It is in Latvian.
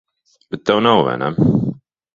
Bet tev nav, vai ne?